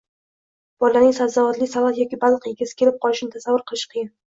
bolaning sabzavotli salat yoki baliq yegisi kelib qolishini tasavvur qilish qiyin.